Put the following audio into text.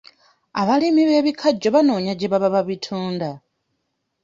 Abalimi b'ebikajjo banoonya gye baba babitunda.